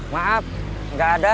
maaf enggak ada